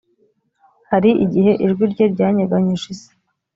hari igihe ijwi rye ryanyeganyeje isi